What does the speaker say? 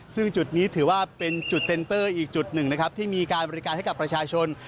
ซึ่งจุดนี้ถือว่าเป็นจุดเซ็นเตอร์อีกจุดหนึ่งนะครับที่มีการบริการให้กับประชาชน